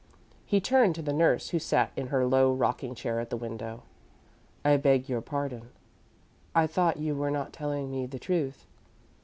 He turned to the nurse, who sat in her low rocking chair at the window. "I beg your pardon. I thought you were not telling me the truth."